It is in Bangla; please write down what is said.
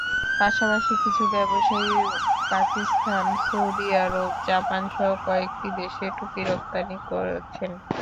পাশাপাশি কিছু ব্যবসায়ী পাকিস্তান, সৌদি আরব, জাপানসহ কয়েকটি দেশে টুপি রপ্তানি করছেন।